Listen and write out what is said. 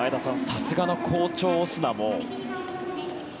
さすがの好調オスナも。